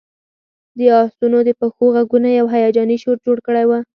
د آسونو د پښو غږونو یو هیجاني شور جوړ کړی و